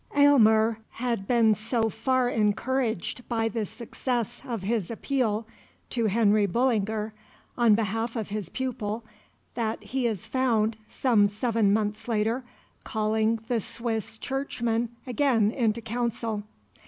Aylmer had been so far encouraged by the success of his appeal to Henry Bullinger on behalf of his pupil that he is found, some seven months later, calling the Swiss churchman again into council.